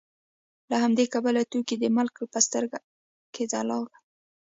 له همدې کبله توکي د مالک په سترګو کې ځلا کوي